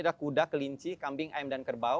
ada kuda kelinci kambing ayam dan kerbau